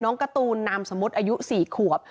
น้องกะตูนนามสมมุติอายุ๔ขวบ